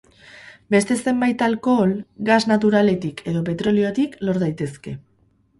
Beste zenbait alkohol gas naturaletik edo petroliotik lor daitezke.